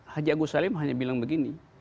haji agus salim hanya bilang begini